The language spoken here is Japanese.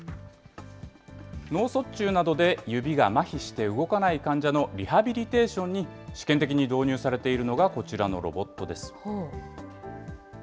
脳卒中などで指がまひして動かない患者のリハビリテーションに、試験的に導入されているのがこちらのロボットです。